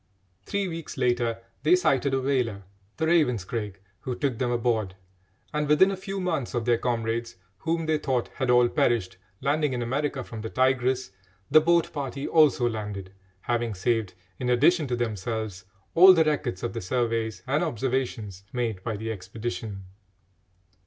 Three weeks later they sighted a whaler, the Ravenscraig, who took them aboard, and within a few months of their comrades, whom they thought had all perished, landing in America from the Tigress, the boat party also landed, having saved, in addition to themselves, all the records of the surveys and observations made by the expedition.